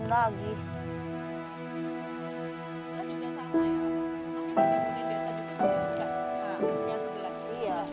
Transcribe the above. dia juga tidak berhubung dengan suami